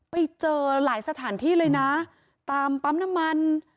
ไปเจอหลายสถานที่เลยนะตามปั๊มน้ำมัน